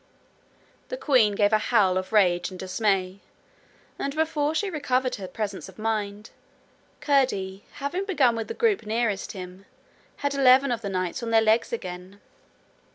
The queen gave a howl of rage and dismay; and before she recovered her presence of mind, Curdie, having begun with the group nearest him, had eleven of the knights on their legs again.